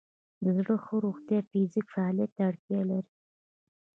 د زړه ښه روغتیا فزیکي فعالیت ته اړتیا لري.